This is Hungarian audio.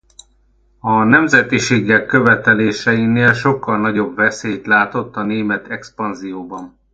A nemzetiségek követeléseinél sokkal nagyobb veszélyt látott a német expanzióban.